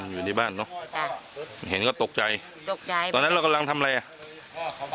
อยู่ในบ้านเนอะจ้ะเห็นก็ตกใจตกใจตอนนั้นเรากำลังทำอะไรอ่ะ